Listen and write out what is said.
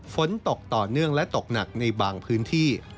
ฝนตกต่อเนื่องและตกหนักในบางพื้นที่